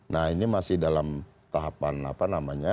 nah ini masih dalam tahapan apa namanya